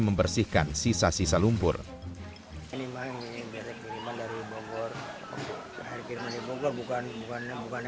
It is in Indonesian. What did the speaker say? membersihkan sisa sisa lumpur ini mengingatkan dari bogor akhirnya di bogor bukan bukan bukan